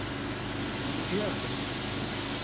Biliyorduk.